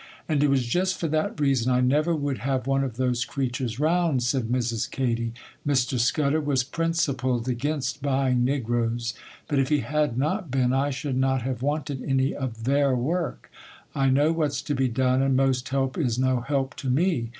'And it was just for that reason I never would have one of those creatures 'round,' said Mrs. Katy. 'Mr. Scudder was principled against buying negroes,—but if he had not been, I should not have wanted any of their work. I know what's to be done, and most help is no help to me.